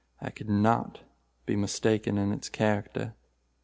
I could not be mistaken in its character.